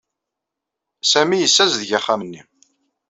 Sami yessazdeg axxam-nni.